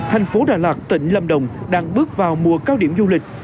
thành phố đà lạt tỉnh lâm đồng đang bước vào mùa cao điểm du lịch